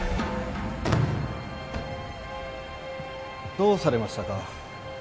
どうされましたか？